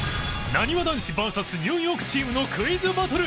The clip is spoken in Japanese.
なにわ男子 ＶＳ ニューヨークチームのクイズバトル！